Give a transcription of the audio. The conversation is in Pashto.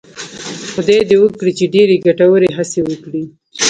خدای دې وکړي چې ډېرې ګټورې هڅې وکړي.